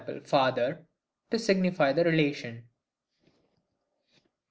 FATHER, to signify the relation.